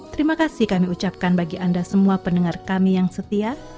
terima kasih kami ucapkan bagi anda semua pendengar kami yang setia